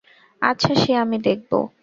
আচ্ছা, সে আমি দেখব।